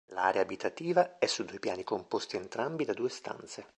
L'area abitativa è su due piani composti entrambi da due stanze.